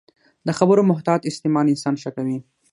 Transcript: د خبرو محتاط استعمال انسان ښه کوي